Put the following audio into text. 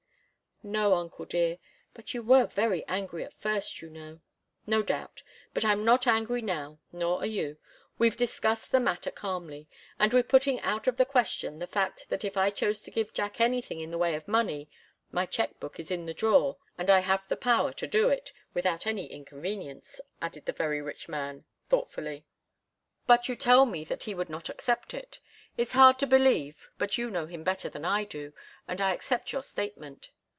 "No, uncle dear but you were angry at first, you know." "No doubt. But I'm not angry now, nor are you. We've discussed the matter calmly. And we're putting out of the question the fact that if I chose to give Jack anything in the way of money, my cheque book is in this drawer, and I have the power to do it without any inconvenience," added the very rich man, thoughtfully. "But you tell me that he would not accept it. It's hard to believe, but you know him better than I do, and I accept your statement.